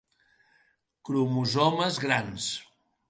Cromosomes 'grans'.